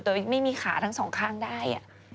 โดยไม่มีขาทั้งสองข้างได้